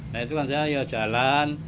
nah itu kan saya ya jalan